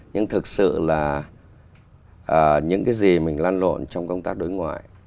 nhưng thực sự là những cái gì mình lan lộn trong công tác đối ngoại